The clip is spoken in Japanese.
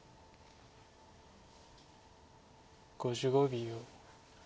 ５５秒。